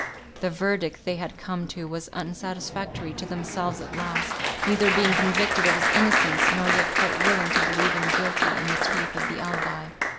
The verdict they had come to was unsatisfactory to themselves at last; neither being convinced of his innocence, nor yet quite willing to believe him guilty in the teeth of the alibi.